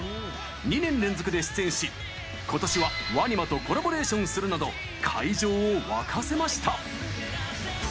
２年連続で出演し今年はＷＡＮＩＭＡとコラボレーションするなど会場を沸かせました。